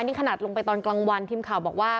นี่ขนาดลงไปตอนกลางวันทีมข่าวบอกว่า